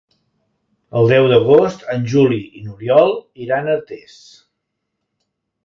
El deu d'agost en Juli i n'Oriol iran a Artés.